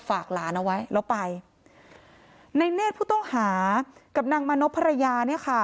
ฝากหลานเอาไว้แล้วไปในเนตผู้ต้องหากับนางมณพรรยา